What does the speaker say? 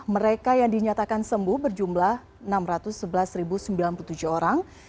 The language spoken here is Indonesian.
mereka yang dinyatakan sembuh berjumlah enam ratus sebelas sembilan puluh tujuh orang